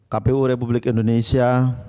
kpu republik indonesia